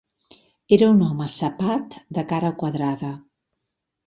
Era un home cepat de cara quadrada.